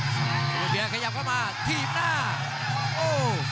ซุปเปอร์เบียร์ขยับเข้ามาถีบหน้าโอ้โห